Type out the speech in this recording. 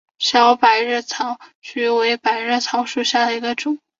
小百日草为菊科百日草属下的一个种。